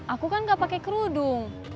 aku kan gak pakai kerudung